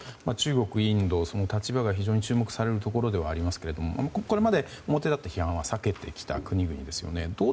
中国、インドの立場が非常に注目されるところではあるんですがこれまで表立った非難は避けてきた国々ですよね。